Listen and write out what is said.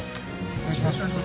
お願いします。